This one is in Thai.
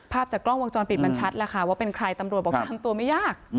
ภาพจากกล้องวงจรปิดมันชัดแล้วค่ะว่าเป็นใครตำรวจบอกตามตัวไม่ยาก